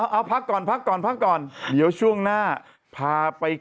เมื่อกี้นะครับไม่ใช่